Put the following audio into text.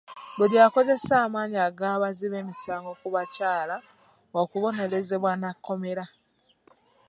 Buli akozesa amaanyi ag'abazzi b'emisango ku bakyala wa kubonerezebwa na kkomera.